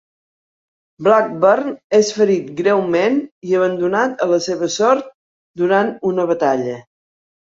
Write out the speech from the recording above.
Blackburn és ferit greument i abandonat a la seva sort durant una batalla.